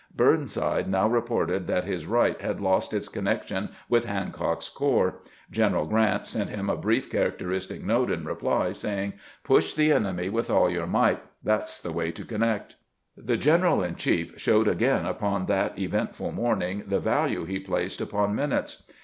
Burnside now reported that his right had lost its connection with Hancock's corps. General Grant sent him a brief, characteristic note in reply, saying, " Push the enemy with all your might ; that 's the way to connect." The general in chief showed again upon that event ful morning the value he placed upon minutes.